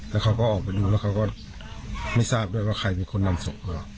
แล้วเขาก็ออกไปดูแล้วเขาก็ไม่ทราบด้วยว่าใครเป็นคนนำศพมา